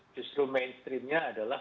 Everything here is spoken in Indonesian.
justru mainstreamnya adalah